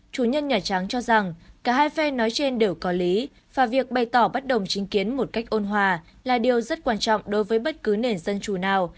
chủ nhân nhà trắng cho rằng cả hai phe nói trên đều có lý và việc bày tỏ bất đồng chính kiến một cách ôn hòa là điều rất quan trọng đối với bất cứ nền dân chủ nào